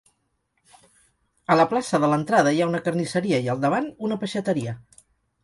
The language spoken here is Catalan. A la plaça de l'entrada hi ha una carnisseria i al davant una peixateria.